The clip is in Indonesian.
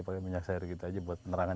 pakai minyak sayur gitu aja buat penerangan